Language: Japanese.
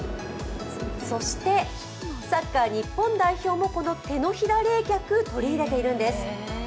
そしてサッカー日本代表もこの手のひら冷却、取り入れているんです。